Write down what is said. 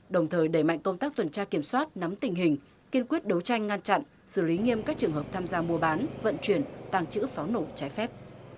đồng thời đẩy mạnh công tác tuần tra kiểm soát nắm tình hình kiên quyết đấu tranh ngăn chặn xử lý nghiêm các trường hợp tham gia mua bán vận chuyển tàng trữ pháo nổ trái phép